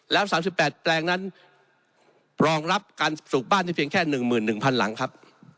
แล้ว๓๘แปลงนั้นรองรับการปลูกบ้านได้เพียงแค่๑๑๐๐๐หลังครับ